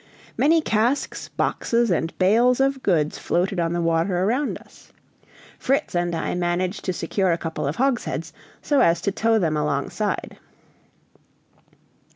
Many casks, boxes, and bales of goods floated on the water around us. Fritz and I managed to secure a couple of hogsheads, so as to tow them alongside.